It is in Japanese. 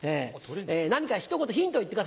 何か一言ヒントを言ってください。